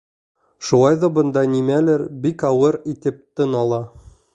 Шулай ҙа бында нимәлер бик ауыр итеп тын ала.